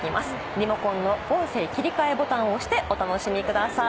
リモコンの音声切り替えボタンを押してお楽しみください。